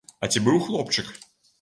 А ці быў хлопчык?